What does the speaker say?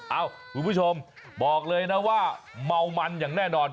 คุณผู้ชมบอกเลยนะว่าเมามันอย่างแน่นอน